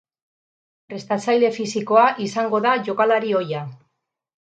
Prestatzaile fisikoa izango da jokalari ohia.